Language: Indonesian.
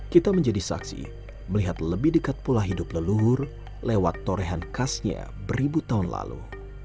kita menjadi saksi melihat lebih dekat pula hidup leluhur lewat torehan khasnya beribu tahun lalu